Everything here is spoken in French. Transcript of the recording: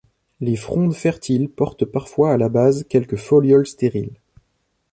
Les frondes fertiles portent parfois à la base quelques folioles stériles.